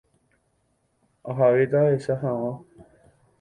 Ahavéta ahecha hag̃ua.